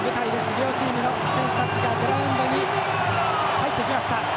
両チームの選手がグラウンドに入ってきました。